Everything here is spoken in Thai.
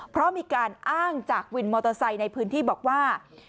เพราะมีการอ้างจากวินมอเตอร์ไซค์ในพื้นที่บอกว่า